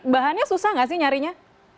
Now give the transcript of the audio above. bahannya susah nggak sih nyarinya